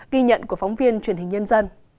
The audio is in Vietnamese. ghi nhận của phóng viên truyền thông